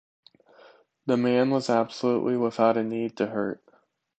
The man was absolutely without a need to hurt.